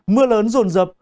mưa lớn rồn rập